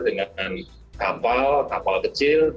dengan kapal kapal kecil